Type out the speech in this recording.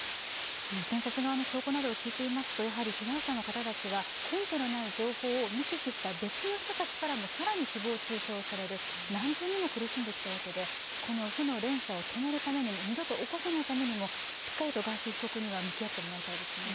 検察側の証拠などを聞いていますとやはり被害者の方たちは根拠のない情報を見聞きした別の人たちからも更に誹謗中傷される何重にも苦しんできたわけでこの負の連鎖を止めるためにも二度と起こさないためにもしっかりとガーシー被告には向き合ってもらいたいですね。